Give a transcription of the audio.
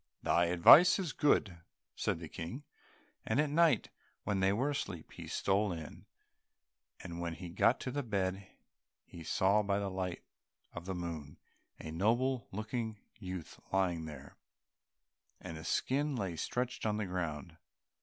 "Thy advice is good," said the King, and at night when they were asleep, he stole in, and when he got to the bed he saw by the light of the moon a noble looking youth lying there, and the skin lay stretched on the ground.